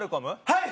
はい！